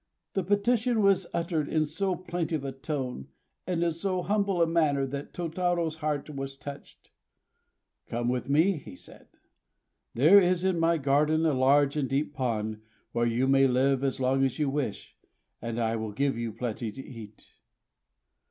This petition was uttered in so plaintive a tone, and in so humble a manner, that Tôtarô's heart was touched. "Come with me," he said. "There is in my garden a large and deep pond where you may live as long as you wish; and I will give you plenty to eat."